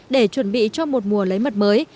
để chuẩn bị cho một mùa lấy mật mới